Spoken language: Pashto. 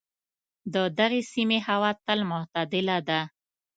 د دغې سیمې هوا تل معتدله ده.